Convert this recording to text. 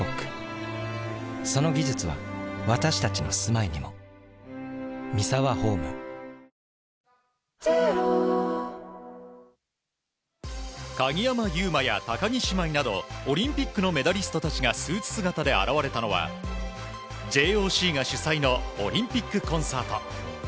プレモルの最高峰「マスターズドリーム」新登場ワオ鍵山優真や高木姉妹などオリンピックのメダリストたちがスーツ姿で現れたのはＪＯＣが主催のオリンピックコンサート。